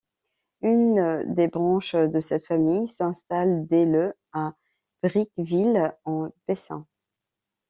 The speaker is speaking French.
Une des branche de cette famille s'installe dès le à Bricqueville-en-Bessin.